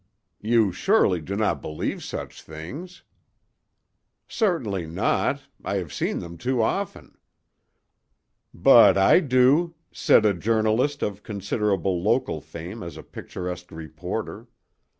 "You surely do not believe such things?" "Certainly not: I have seen them too often." "But I do," said a journalist of considerable local fame as a picturesque reporter.